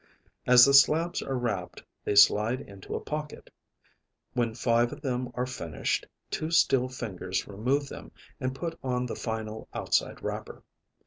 As the slabs are wrapped they slide into a pocket. When five of them are finished, two steel fingers remove them and put on the final outside wrapper.